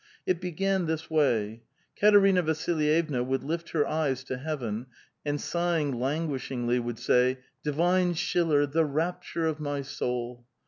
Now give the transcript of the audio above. It began this way : Katerina Vasilyevna would lift her eyes to heaven, and sighing languishingly, would say, " Divine Schiller, the rapture of my soul